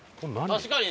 確かに。